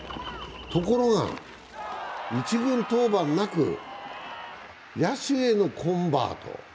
ところが１軍登板なく、野手へのコンバート。